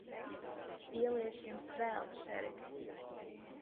Ieliešu Jums vēl, šerif.